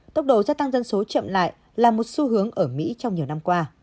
tốc độ gia tăng dân số chậm lại là một xu hướng ở mỹ trong nhiều năm qua